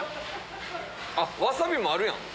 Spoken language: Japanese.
あっわさびもあるやん。